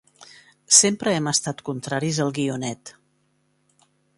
Sempre hem estat contraris al guionet.